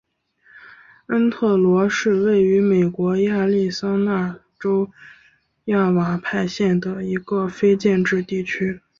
恩特罗是位于美国亚利桑那州亚瓦派县的一个非建制地区。